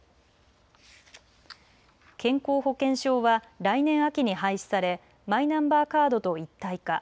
健康保険証は来年秋に廃止されマイナンバーカードと一体化。